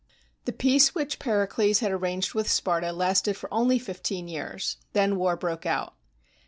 The peace which Pericles had arranged with Sparta lasted for only fifteen years. Then war broke out.